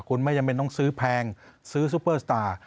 คุณไม่จำเป็นต้องซื้อแพงซื้อซุปเปอร์สตาร์